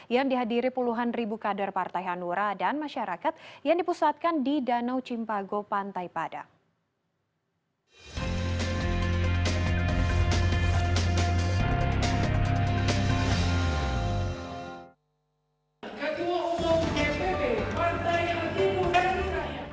yang dihadiri puluhan ribu kader partai hanura dan masyarakat yang dipusatkan di danau cimpago pantai padang